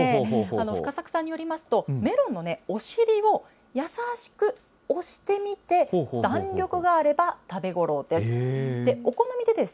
深作さんによりますと、メロンのお尻を優しく押してみて、弾力があれば食べ頃です。